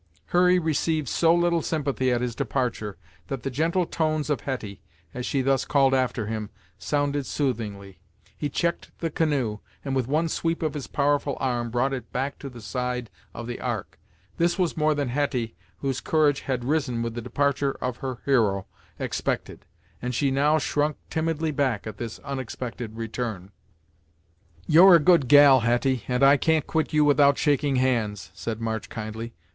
Hurry received so little sympathy at his departure that the gentle tones of Hetty, as she thus called after him, sounded soothingly. He checked the canoe, and with one sweep of his powerful arm brought it back to the side of the Ark. This was more than Hetty, whose courage had risen with the departure of her hero, expected, and she now shrunk timidly back at this unexpected return. "You're a good gal, Hetty, and I can't quit you without shaking hands," said March kindly.